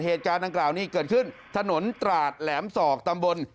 เหตุการณ์ดังกล่าวนี้เกิดขึ้นถนนตราดแหลมศอกตำบล